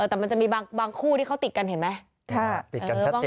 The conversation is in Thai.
เออแต่มันจะมีบางบางคู่ที่เขาติดกันเห็นไหมค่ะติดกันชัดเจน